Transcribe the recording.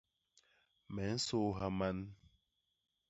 Me nsôôha man.